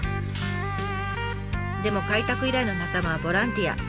でも開拓以来の仲間はボランティア。